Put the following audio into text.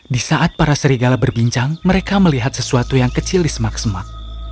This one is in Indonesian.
di saat para serigala berbincang mereka melihat sesuatu yang kecil di semak semak